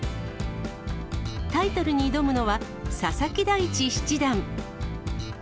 タイトルに挑むのは、佐々木大地七段。